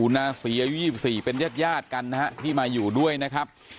อุณาสีอายุ๒๔เป็นเย็ดยาดกันนะฮะที่มาอยู่ด้วยนะครับ